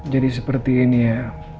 jadi seperti ini ya